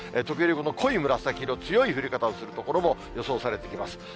時折この濃い紫色、強い降り方をする所も、予想されています。